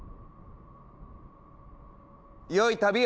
良い旅を！